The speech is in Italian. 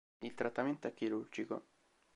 Il trattamento è chirurgico.